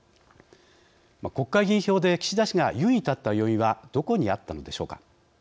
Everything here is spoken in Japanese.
国会議員票で岸田氏が優位に立った要因はどこにあったのでしょうか。